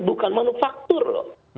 bukan manufaktur loh